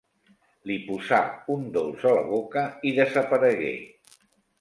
Li posà un dolç a la boca i desaparegué.